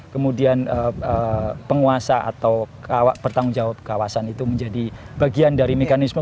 kemudian penguasa atau bertanggung jawab kawasan itu menjadi bagian dari mekanisme